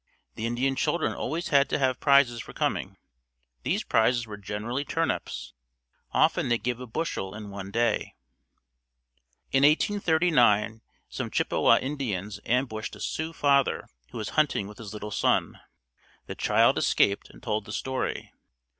The Indian children always had to have prizes for coming. These prizes were generally turnips. Often they gave a bushel in one day. In 1839 some Chippewa Indians ambushed a Sioux father who was hunting with his little son. The child escaped and told the story.